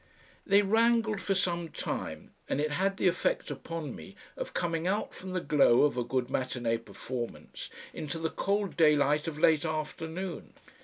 They wrangled for some time, and it had the effect upon me of coming out from the glow of a good matinee performance into the cold daylight of late afternoon.